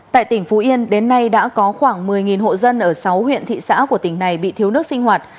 tại tỉnh phú yên đến nay đã có khoảng một mươi hộ dân ở sáu huyện thị xã của tỉnh này bị thiếu nước sinh hoạt